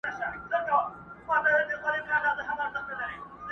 دا د مشکو رباتونه خُتن زما دی؛